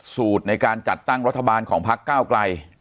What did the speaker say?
สูตรในการจัดตั้งรัฐบาลของพักก้าวไกล